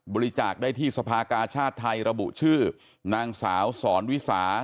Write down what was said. บริจาคได้ที่สภากาชาติไทยระบุชื่อนางสาวสอนวิสา